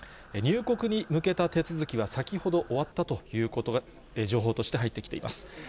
入国に向けた手続きは先ほど終わったということが情報として入ってきています。